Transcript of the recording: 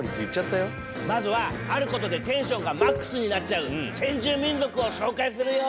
まずはあることでテンションがＭＡＸになっちゃう先住民族を紹介するよ。